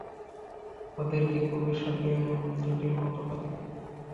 ওদেরকে কোবে-শ্যাকে জুটির মতো ফাঁকি দিয়ে পালাতে চাস?